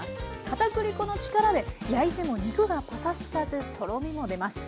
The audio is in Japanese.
かたくり粉の力で焼いても肉がパサつかずとろみも出ます。